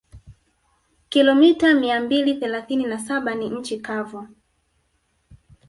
Kilomita mia mbili thelathini na saba ni nchi kavu